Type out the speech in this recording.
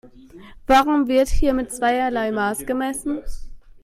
Warum wird hier mit zweierlei Maß gemessen?